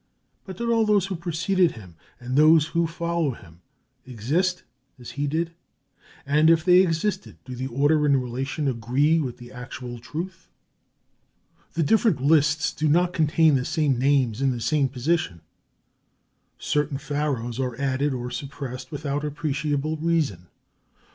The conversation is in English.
But did all those who preceded him, and those who followed him, exist as he did? And if they existed, do the order and relation agree with actual truth? The different lists do not contain the same names in the same position; certain Pharaohs are added or suppressed without appreciable reason.